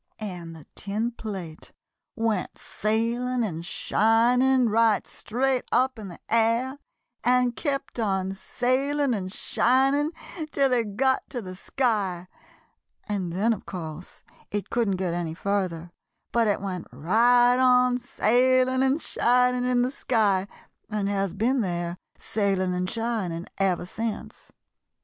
"And the tin plate went sailing and shining right straight up in the air, and kept on sailing and shining till it got to the sky; and then, of course, it couldn't get any further, but it went right on sailing and shining in the sky, and has been there, sailing and shining, ever since.